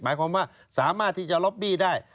หมายความว่าสามารถที่จะล็อบบี้ได้